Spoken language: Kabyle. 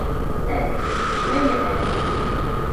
Ah! Ttwanɣeɣ!